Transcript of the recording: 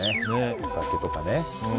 お酒とかね。